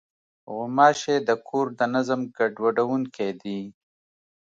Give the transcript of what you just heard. غوماشې د کور د نظم ګډوډوونکې دي.